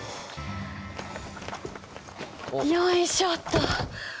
よいしょっと！